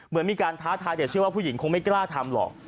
เหมือนมีการท้าทายแต่เชื่อว่าผู้หญิงคงไม่กล้าทำหรอก